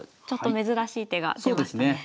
ちょっと珍しい手が出ましたね。